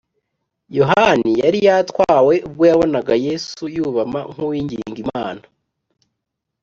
Yohana yari yatwawe ubwo yabonaga Yesu yubama nk’uwinginga Imana